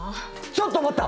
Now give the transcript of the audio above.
ちょっと待った！